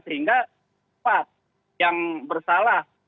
sehingga apa yang bersalah